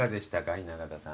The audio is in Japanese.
雛形さん。